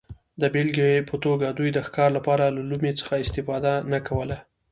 د بېلګې په توګه دوی د ښکار لپاره له لومې څخه استفاده نه کوله